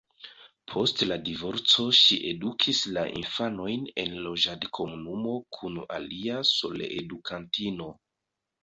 Post la divorco ŝi edukis la infanojn en loĝadkomunumo kun alia soleedukantino.